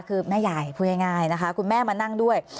คือแม่ยายพูดง่ายนะคะคุณแม่มานั่งด้วย